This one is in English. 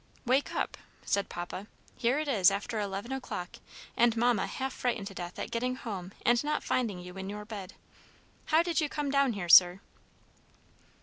"Wake up!" said Papa; "here it is, after eleven o'clock, and Mamma half frightened to death at getting home and not finding you in your bed. How did you come down here, sir?"